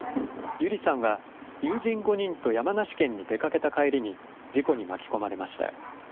友梨さんは、友人５人と山梨県に出かけた帰りに事故に巻き込まれました。